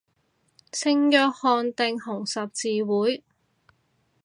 聖約翰定紅十字會